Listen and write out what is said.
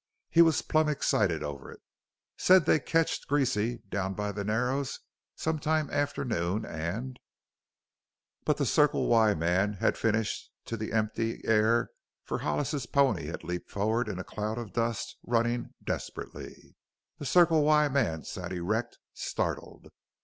He was plum excited over it. Said they'd ketched Greasy down by the Narrows sometime after noon an' " But the Circle Y man finished to the empty air for Hollis's pony had leaped forward into a cloud of dust, running desperately. The Circle Y man sat erect, startled.